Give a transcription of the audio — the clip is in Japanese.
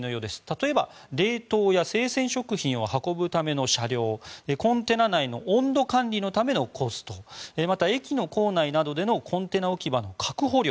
例えば、冷凍や生鮮食品を運ぶための車両コンテナ内の温度管理のためのコストまた駅の構内などでのコンテナ置き場の確保料